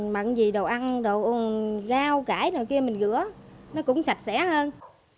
mặc gì đồ ăn đồ rau cải nào kia mình rửa nó cũng sạch sẽ hơn